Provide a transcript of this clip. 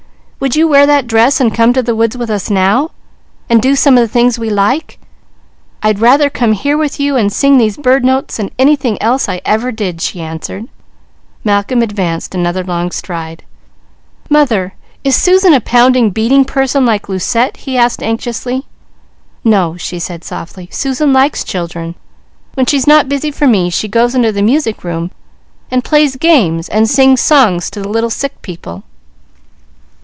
"Would you wear that dress and come to the woods with us now, and do some of the things we like?" "I'd rather come here with you, and sing these bird notes than anything else I ever did," she answered. Malcolm advanced another long stride. "Mother, is Susan a pounding, beating person like Lucette?" he asked anxiously. "No," she said softly. "Susan likes children. When she's not busy for me, she goes into the music room and plays games, and sings songs to little sick people."